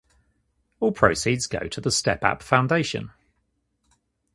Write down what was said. All proceeds go to the StepApp foundation.